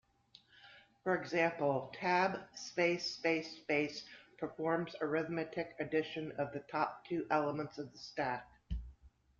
For example, tab-space-space-space performs arithmetic addition of the top two elements on the stack.